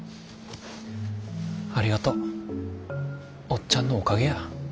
ありがとう。おっちゃんのおかげや。